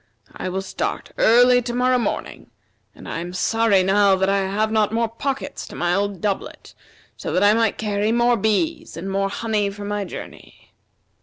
I will start early to morrow morning, and I am sorry now that I have not more pockets to my old doublet, so that I might carry more bees and more honey for my journey."